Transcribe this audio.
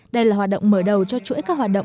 đây là hoạt động mở đầu cho chuỗi các hoạt động